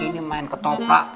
ini main ketopak